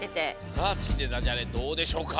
さあつきでダジャレどうでしょうか。